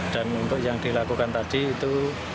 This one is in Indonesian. dan untuk yang dilakukan tadi itu